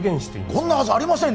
こんなはずありません